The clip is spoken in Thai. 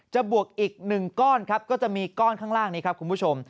บวกอีก๑ก้อนครับก็จะมีก้อนข้างล่างนี้ครับคุณผู้ชม